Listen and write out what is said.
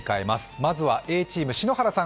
まずはＡチーム、篠原さん